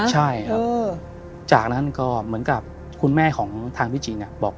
ใช่จากนั้นก็เหมือนกับคุณแม่ทางพี่จิ